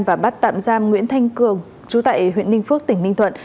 và bắt tạm giam nguyễn thanh cường chú tại huyện ninh phước tỉnh ninh thuận